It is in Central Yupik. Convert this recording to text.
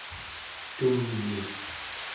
tum'i